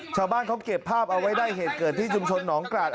ชาวบ้านเขาเก็บภาพเอาไว้ได้เหตุเกิดที่ชุมชนหนองกราศ